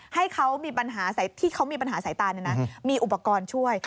ให้เขามีปัญหาที่เขามีปัญหาสายตามีอุปกรณ์ช่วย